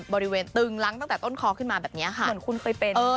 บริเวณตึงล้างตั้งแต่ต้นคอขึ้นมาแบบนี้ค่ะเหมือนคุณเคยเป็น